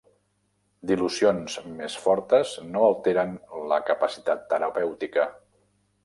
Dilucions més fortes no alteren la capacitat terapèutica.